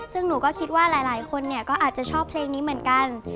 ซึ่งหนูก็คิดว่าหลายคนเนี่ยก็อาจจะชอบเพลงนี้เหมือนกัน